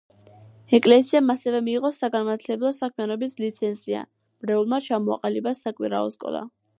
ეკლესიამ ასევე მიიღო საგანმანათლებლო საქმიანობის ლიცენზია, მრევლმა ჩამოაყალიბა საკვირაო სკოლა.